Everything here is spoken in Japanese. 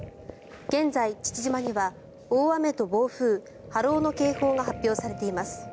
現在、父島には大雨と暴風波浪の警報が発表されています。